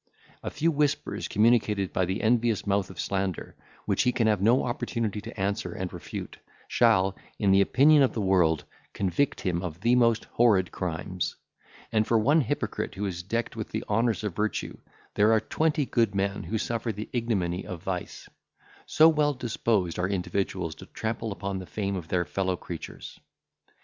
A few whispers communicated by the envious mouth of slander, which he can have no opportunity to answer and refute, shall, in the opinion of the world, convict him of the most horrid crimes; and for one hypocrite who is decked with the honours of virtue, there are twenty good men who suffer the ignominy of vice; so well disposed are individuals to trample upon the fame of their fellow creatures.